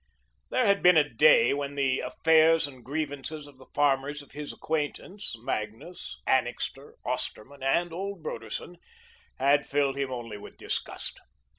There had been a day when the affairs and grievances of the farmers of his acquaintance Magnus, Annixter, Osterman, and old Broderson had filled him only with disgust.